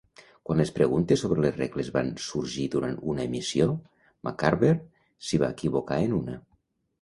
Quan les preguntes sobre les regles van sorgir durant una emissió, McCarver s'hi va equivocar en una.